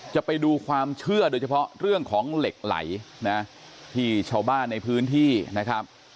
ไปดูความเชื่อโดยเฉพาะเรื่องของเหล็กไหลนะที่ชาวบ้านในพื้นที่นะครับ